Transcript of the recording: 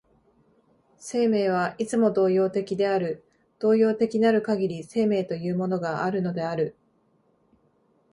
生命はいつも動揺的である、動揺的なるかぎり生命というものがあるのである。